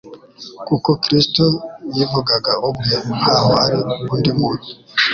kuko Kristo yivugaga ubwe nkaho ari undi muntu